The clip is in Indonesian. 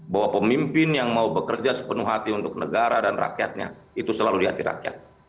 bahwa pemimpin yang mau bekerja sepenuh hati untuk negara dan rakyatnya itu selalu di hati rakyat